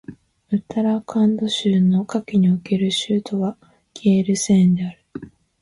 ウッタラーカンド州の夏季における州都はゲールセーンである